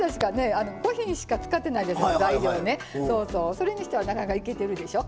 それにしてはなかなかいけてるでしょ。